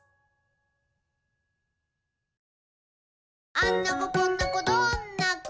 「あんな子こんな子どんな子？